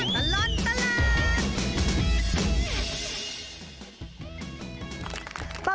ชั่วตลอดตลาด